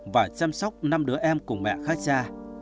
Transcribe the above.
và chăm sóc năm đứa em cùng mẹ khá xa